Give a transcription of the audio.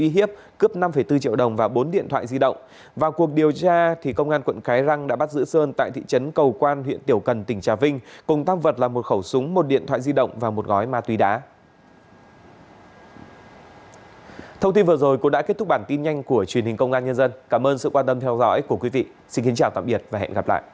hãy đăng ký kênh để ủng hộ kênh của chúng mình nhé